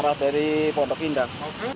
arah dari pondok indah